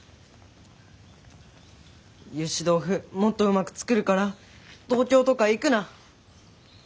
ゆし豆腐もっとうまく作るから東京とか行くな！